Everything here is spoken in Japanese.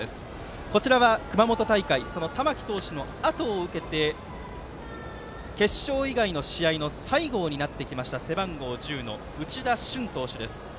そして、熊本大会玉木投手のあとを受けて決勝以外の試合の最後を担ってきました背番号１０の内田駿投手です。